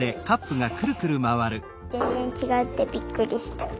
ぜんぜんちがってびっくりした。